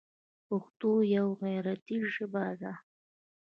پښتو یوه غیرتي ژبه ده.